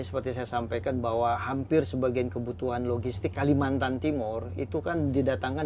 seperti saya sampaikan bahwa hampir sebagian kebutuhan logistik kalimantan timur itu kan didatangkan